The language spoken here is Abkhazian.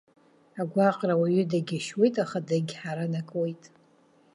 Агәаҟра ауаҩы дагьашьуеит, аха дагьҳаранакуеит.